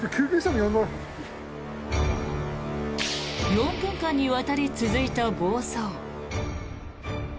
４分間にわたり続いた暴走。